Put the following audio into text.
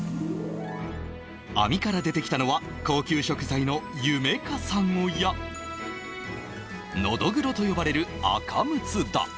網から出てきたのは、高級食材のユメカサゴや、ノドグロと呼ばれるアカムツだ。